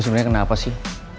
lu sebenernya kenapa sih